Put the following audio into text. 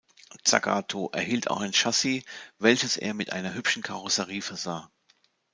Zagato erhielt auch ein Chassis, welches er mit einer hübschen Karosserie versah.